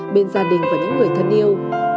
bên gia đình và những người thân yêu